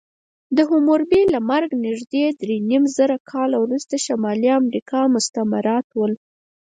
د حموربي له مرګه نږدې درېنیمزره کاله وروسته شمالي امریکا مستعمرات ول.